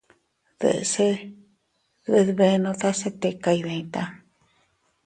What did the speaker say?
Deʼse dbedbenota se tika iydita.